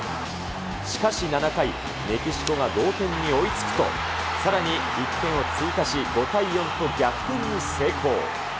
しかし７回、メキシコが同点に追いつくと、さらに１点を追加し、５対４と逆転に成功。